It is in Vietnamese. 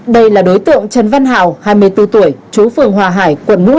đây là đối tượng trần văn hào hai mươi bốn tuổi chú phường hòa hải